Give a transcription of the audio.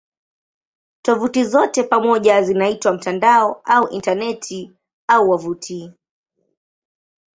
Tovuti zote pamoja zinaitwa "mtandao" au "Intaneti" au "wavuti".